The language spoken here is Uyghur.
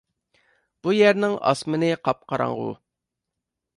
بۇ يەرنىڭ ئاسمىنى قاپقاراڭغۇ.